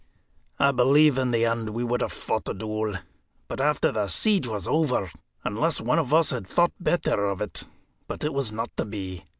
I believe in the end we would have fought a duel, after the siege was over, unless one of us had thought better of it. But it was not to be.